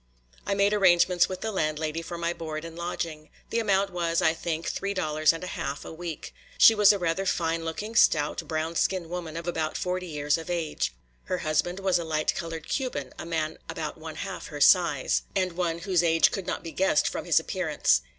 I made arrangements with the landlady for my board and lodging; the amount was, I think, three dollars and a half a week. She was a rather fine looking, stout, brown skin woman of about forty years of age. Her husband was a light colored Cuban, a man about one half her size, and one whose age could not be guessed from his appearance.